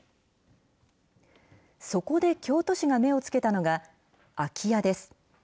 そこで京都市が目をつけたのが、空き家です。